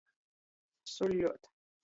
Suļļuot.